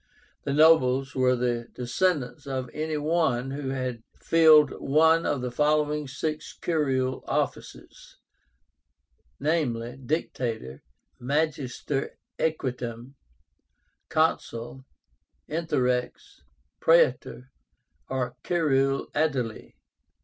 The nobles were the descendants of any one who had filled one of the following six curule offices, viz. Dictator, Magister Equitum, Consul, Interrex, Praetor, or Curule Aedile.